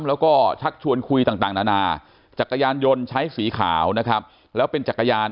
แล้วก็ชักชวนคุยต่างนานา